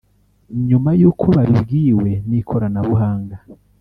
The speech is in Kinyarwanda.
nyuma y’uko babibwiwe n’ikoranabuhanga